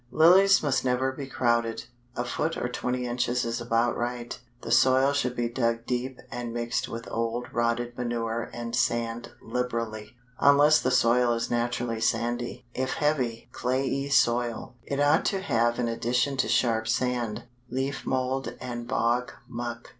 Lilies must never be crowded; a foot or twenty inches is about right. The soil should be dug deep and mixed with old rotted manure and sand liberally, unless the soil is naturally sandy; if heavy, clayey soil, it ought to have in addition to sharp sand, leaf mold and bog muck.